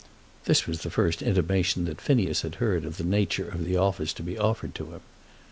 [This was the first intimation that Phineas had heard of the nature of the office to be offered to him.